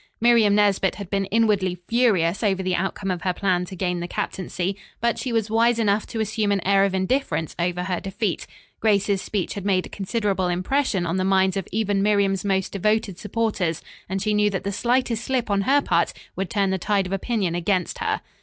Miriam Nesbit had been inwardly furious over the outcome of her plan to gain the captaincy, but she was wise enough to assume an air of indifference over her defeat. Grace's speech had made considerable impression on the minds of even Miriam's most devoted supporters and she knew that the slightest slip on her part would turn the tide of opinion against her.